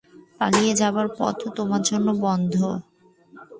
পালিয়ে যাবার পথও তোমাদের জন্য বন্ধ।